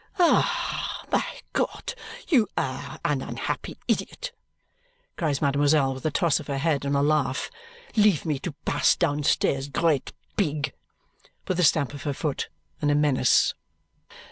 "Ah, my God, you are an unhappy idiot!" cries mademoiselle with a toss of her head and a laugh. "Leave me to pass downstairs, great pig." With a stamp of her foot and a menace.